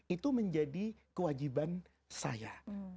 itu menjadi kewajiban saya